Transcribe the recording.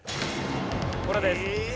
これです。